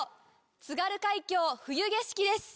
『津軽海峡・冬景色』です。